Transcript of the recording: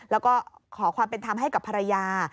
แล้วก็ขอความเป็นธรรมให้กับภรรยา